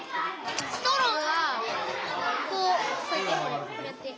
ストローはこうこうやってこれこれやって。